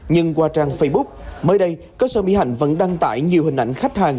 nhưng qua trang facebook mới đây cơ sở mỹ hạnh vẫn đăng tải nhiều hình ảnh khách hàng